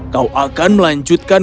kau akan melanjutkan